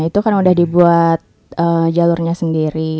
itu kan udah dibuat jalurnya sendiri